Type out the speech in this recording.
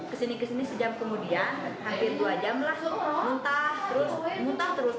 kesini kesini sejam kemudian hampir dua jam lah muntah terus muntah terus